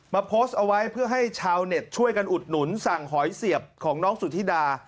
โพสต์เอาไว้เพื่อให้ชาวเน็ตช่วยกันอุดหนุนสั่งหอยเสียบของน้องสุธิดา